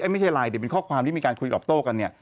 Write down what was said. ไม่ใช่ไลน์แต่เป็นข้อความที่มีการคุยหลอบโต้กัน